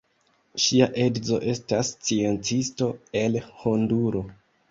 Ŝia edzo estas sciencisto el Honduro.